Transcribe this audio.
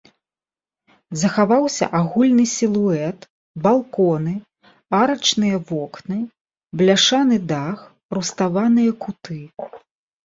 Захаваўся агульны сілуэт, балконы, арачныя вокны, бляшаны дах, руставаныя куты.